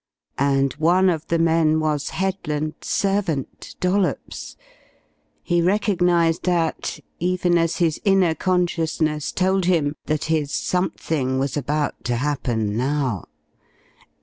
And one of the men was Headland's servant, Dollops! He recognized that, even as his inner consciousness told him that his "something" was about to happen now.